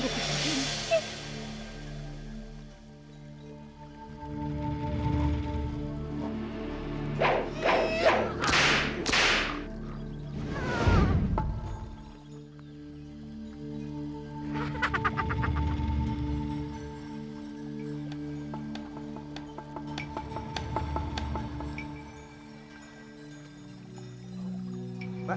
suruh menemui saya di rumah